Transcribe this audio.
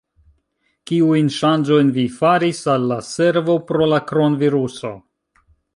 Kiujn ŝanĝojn vi faris al la servo pro la kronviruso?